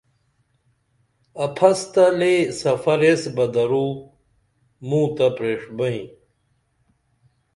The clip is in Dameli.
اپھس تہ لے سفر ایس بہ دور موں تہ پریݜبئیں